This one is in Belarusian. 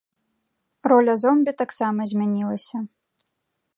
Роля зомбі таксама змянілася.